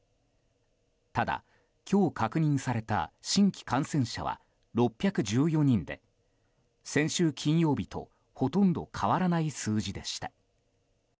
ただ、今日確認された新規感染者は６１４人で先週金曜日とほとんど変わらない数字でした。